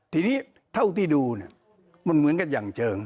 ทีนี้เท่าที่ดูเนี่ยมันเหมือนกันอย่างเชิง